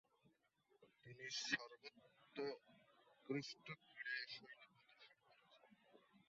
তিনি সর্বোৎকৃষ্ট ক্রীড়াশৈলী প্রদর্শন করেছেন।